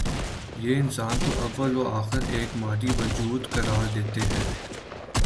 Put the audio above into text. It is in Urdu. یہ انسان کو اوّ ل و آخر ایک مادی وجود قرار دیتے ہیں۔